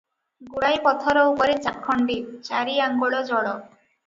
ଗୁଡ଼ାଏ ପଥର ଉପରେ ଚାଖଣ୍ଡେ, ଚାରି ଆଙ୍ଗୁଳ ଜଳ ।